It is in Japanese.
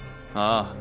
ああ。